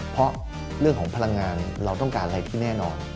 เพราะเรื่องของพลังงานเราต้องการอะไรที่แน่นอน